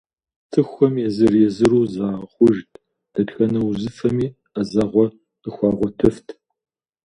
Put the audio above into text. Цӏыхухэм езыр-езыру загъэхъужт, дэтхэнэ узыфэми ӏэзэгъуэ къыхуагъуэтыфт.